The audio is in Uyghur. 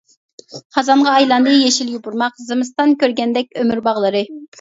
خازانغا ئايلاندى يېشىل يوپۇرماق، زىمىستان كۆرگەندەك ئۆمۈر باغلىرى.